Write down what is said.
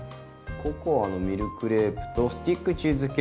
「ココアのミルクレープとスティックチーズケーキ」。